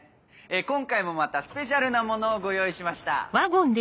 今回もまたスペシャルなものをご用意しました！